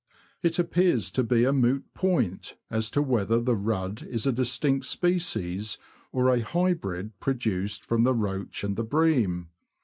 It appears to be a moot point as to whether the rudd is a distinct species or a hybrid produced from the roach and the bream.